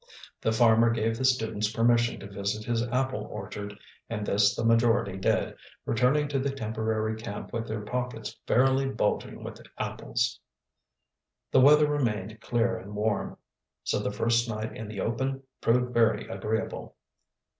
The farmer gave the students permission to visit his apple orchard, and this the majority did, returning to the temporary camp with their pockets fairly bulging with apples. The weather remained clear and warm, so the first night in the open proved very agreeable.